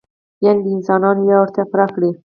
یعنې د انسانانو یوه اړتیا پوره کړي.